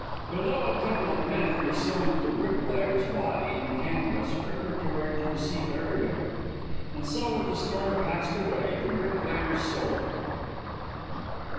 Below, a couple of men were sewing the "bricklayer's" body in canvas preparatory to the sea burial. And so with the storm passed away the "bricklayer's" soul.